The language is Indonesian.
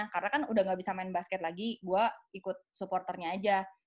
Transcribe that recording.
karena kan udah gak bisa main basket lagi gue ikut supporternya aja